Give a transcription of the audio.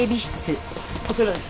こちらです。